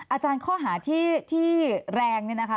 อาจารย์ข้อหาที่แรงเนี่ยนะคะ